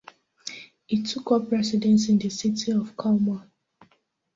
He took up residence in the city of Kalmar.